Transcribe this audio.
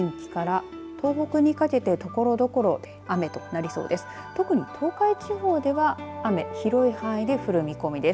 近畿から東北にかけてところどころ雨となりそうです。